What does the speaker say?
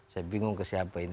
saya bingung ke siapa ini